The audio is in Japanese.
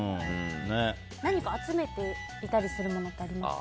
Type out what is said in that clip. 何か集めていたりするものってあります？